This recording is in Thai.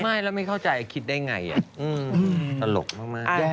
ไม่แล้วไม่เข้าใจคิดได้ไงอ่ะ